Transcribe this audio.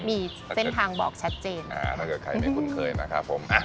มีเส้นทางบอกชัดเจนอ่าถ้าเกิดใครไม่คุ้นเคยนะครับผมอ่ะ